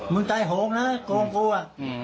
มึงใจโหงนะโกงกูอ่ะ